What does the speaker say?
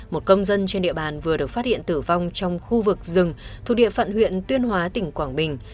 một công dân trên địa bàn vừa được phát hiện tử vong trong khu vực rừng thuộc địa phận huyện tuyên hóa tỉnh quảng bình